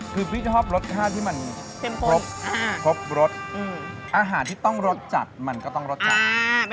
คือพี่ชอบรสชาติที่มันครบครบรสอาหารที่ต้องรสจัดมันก็ต้องรสจัด